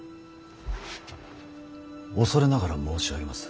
恐れながら申し上げます。